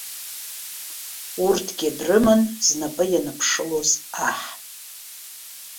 Урҭгьы дрыман знапы ианԥшылоз аҳ.